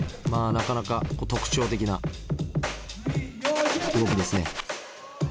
なかなか特徴的な動きですね。